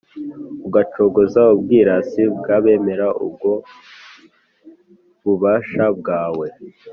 ugacogoza ubwirasi bw’abemera ubwo bubasha bwawe.